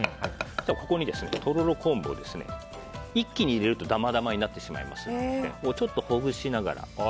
ここに、とろろ昆布を一気に入れるとダマダマになってしまいますのでちょっとほぐしながら。